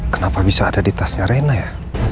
kenapa bisa ada di tasnya renah ya